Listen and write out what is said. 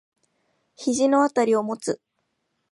肘のあたりを持つ。